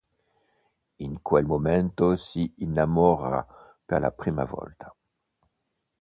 In quel momento si innamora per la prima volta.